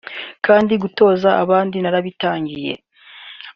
kandi gutoza abandi narabitangiye